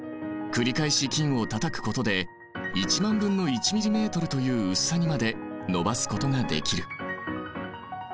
繰り返し金をたたくことで１万分の１ｍｍという薄さにまで延ばすことができる。